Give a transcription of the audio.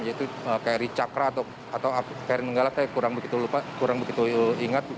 yaitu kri cakra atau kri nenggala saya kurang begitu ingat